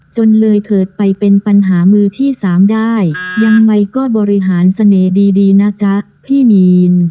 จนเลยเถิดไปเป็นปัญหามือที่สามได้ยังไงก็บริหารเสน่ห์ดีดีนะจ๊ะพี่มีน